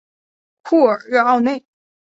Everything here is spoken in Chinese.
库尔热奥内。